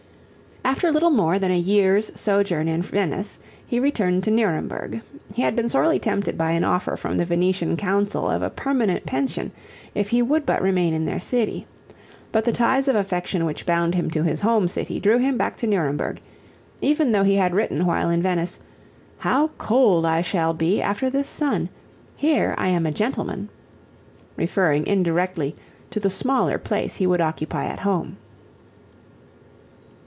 After little more than a year's sojourn in Venice, he returned to Nuremberg. He had been sorely tempted by an offer from the Venetian Council of a permanent pension if he would but remain in their city. But the ties of affection which bound him to his home city drew him back to Nuremberg, even though he had written while in Venice, "How cold I shall be after this sun! Here I am a gentleman," referring indirectly to the smaller place he would occupy at home.